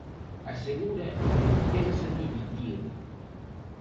Asegura que non pensa dimitir.